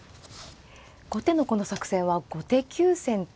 後手のこの作戦は後手急戦と。